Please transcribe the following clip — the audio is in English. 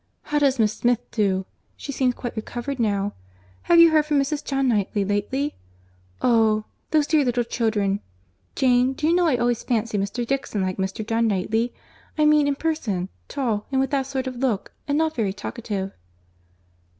How does Miss Smith do? She seems quite recovered now. Have you heard from Mrs. John Knightley lately? Oh! those dear little children. Jane, do you know I always fancy Mr. Dixon like Mr. John Knightley. I mean in person—tall, and with that sort of look—and not very talkative."